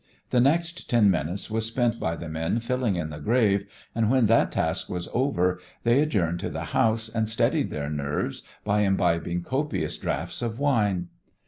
The next ten minutes was spent by the men filling in the grave, and when that task was over they adjourned to the house and steadied their nerves by imbibing copious draughts of wine.